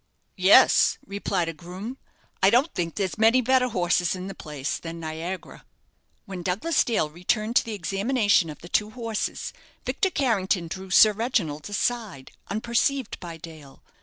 "Yes," replied a groom; "I don't think there's many better horses in the place than 'Niagara.'" When Douglas Dale returned to the examination of the two horses, Victor Carrington drew Sir Reginald aside, unperceived by Dale.